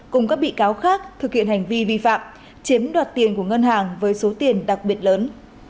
cùng các bị cáo khác thực hiện hành vi vi phạm chiếm đoạt tiền của ngân hàng với số tiền đặc biệt lớn